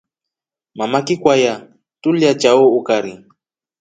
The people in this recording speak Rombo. Mama kikwaya tuliliya chao ukari.